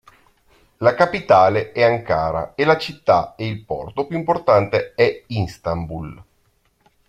La capitale è Ankara, e la città e il porto più importante è Istanbul.